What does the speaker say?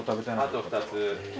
あと２つ。